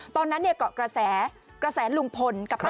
ตอนนั้นเกาะกระแสประแสลุงพล